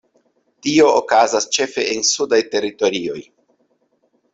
Tio okazas ĉefe en sudaj teritorioj.